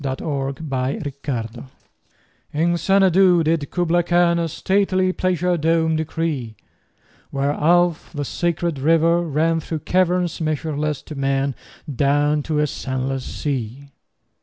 Kubla Khan IN Xanadu did Kubla Khan A stately pleasure dome decree: Where Alph, the sacred river, ran Through caverns measureless to man Down to a sunless sea.